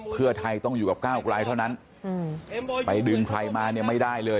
เพื่อไทยต้องอยู่กับก้าวกลายเท่านั้นไปดึงใครมาเนี่ยไม่ได้เลย